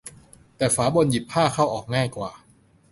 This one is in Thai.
แต่ฝาบนหยิบผ้าเข้าออกง่ายกว่า